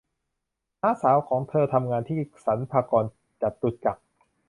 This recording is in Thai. น้าสาวของเธอทำงานที่สรรพากรจตุจักร